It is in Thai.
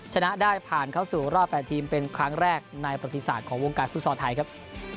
ชนะได้ผ่านเข้าสู่รอบ๘ทีมเป็นครั้งแรกในประติศาสตร์ของวงการฟุตซอลไทยครับ